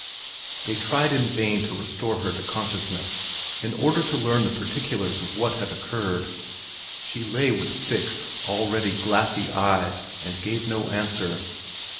They tried in vain to restore her to consciousness in order to learn the particulars of what had occurred; she lay with fixed, already glassy eyes, and gave no answer.